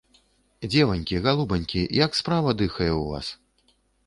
Дзеванькі, галубанькі, як справа дыхае ў вас?